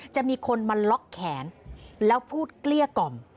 จะมีคนมาล็อกแขนแล้วพูดเกลี้ยกล่อม